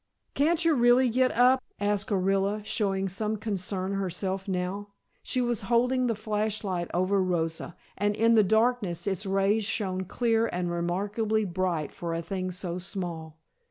"Can't you really get up?" asked Orilla, showing some concern herself now. She was holding the flash light over Rosa, and in the darkness its rays shone clear and remarkably bright for a thing so small.